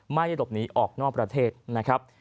ไม่ได้หลบหนีออกนอกประเทศนะครับ